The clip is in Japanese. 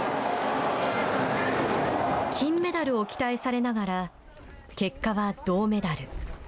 金メダルを期待されながら結果は銅メダル。